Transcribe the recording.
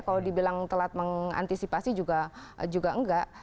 kalau dibilang telat mengantisipasi juga enggak